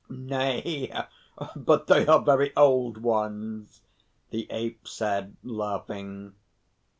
"Nay, but they are very old ones," the Ape said, laughing.